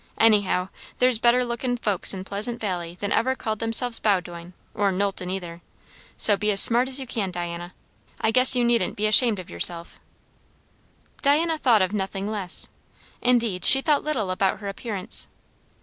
Anyhow, there's better lookin' folks in Pleasant Valley than ever called themselves Bowdoin, or Knowlton either. So be as smart as you can, Diana. I guess you needn't be ashamed of yourself." Diana thought of nothing less. Indeed she thought little about her appearance.